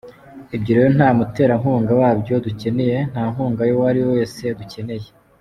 Ibyo rero nta muterankunga wabyo dukeneye, nta nkunga y’uwariwe wese dukeneye.